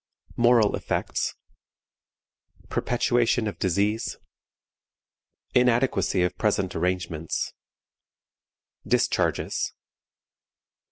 Moral Effects. Perpetuation of Disease. Inadequacy of Present Arrangements. Discharges.